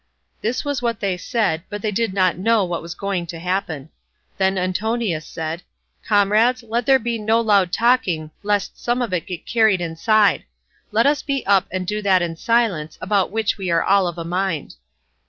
This was what they said, but they did not know what was going to happen. Then Antinous said, "Comrades, let there be no loud talking, lest some of it get carried inside. Let us be up and do that in silence, about which we are all of a mind."